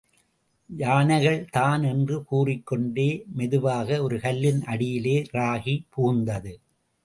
யானைகள்தான் என்று கூறிக்கொண்டே மெதுவாக ஒரு கல்லின் அடியிலே ராகி புகுந்தது.